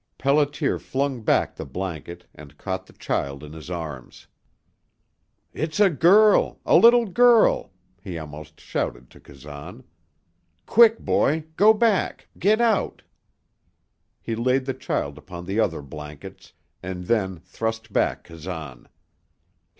Pelliter flung back the blanket and caught the child in his arms. "It's a girl a little girl!" he almost shouted to Kazan. "Quick, boy go back get out!" He laid the child upon the other blankets, and then thrust back Kazan.